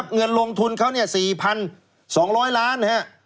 เงินลงทุนเขา๔๒๐๐ล้าน